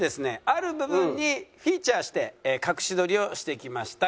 ある部分にフィーチャーして隠し撮りをしてきました。